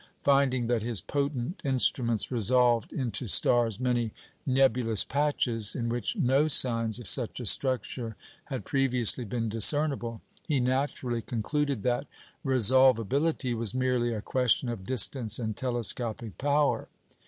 Finding that his potent instruments resolved into stars many nebulous patches in which no signs of such a structure had previously been discernible, he naturally concluded that "resolvability" was merely a question of distance and telescopic power.